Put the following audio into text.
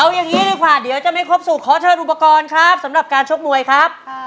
เอาอย่างนี้ดีกว่าเดี๋ยวจะไม่ครบสูตรขอเชิญอุปกรณ์ครับสำหรับการชกมวยครับ